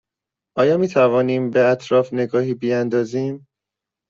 آیا می توانیم به اطراف نگاهی بیاندازیم؟